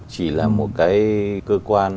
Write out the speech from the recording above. chỉ là một cái cơ quan